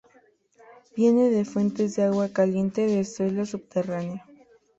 Viene de fuentes de agua caliente de suelo subterráneo.